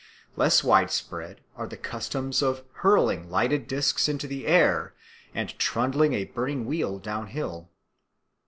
Less widespread are the customs of hurling lighted discs into the air and trundling a burning wheel down hill.